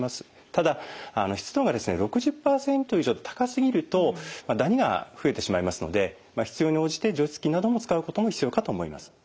ただ湿度が６０％以上と高すぎるとダニが増えてしまいますので必要に応じて除湿機などを使うことも必要かと思います。